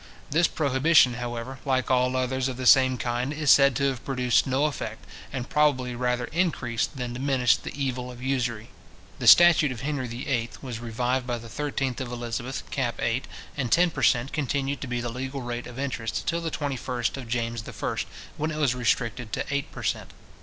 This prohibition, however, like all others of the same kind, is said to have produced no effect, and probably rather increased than diminished the evil of usury. The statute of Henry VIII. was revived by the 13th of Elizabeth, cap. 8. and ten per cent. continued to be the legal rate of interest till the 21st of James I. when it was restricted to eight per cent.